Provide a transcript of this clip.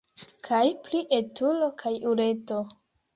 Kaj pri etulo kaj uleto..